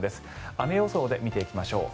雨予想で見ていきましょう。